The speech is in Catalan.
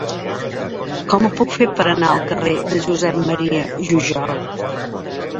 Com ho puc fer per anar al carrer de Josep M. Jujol?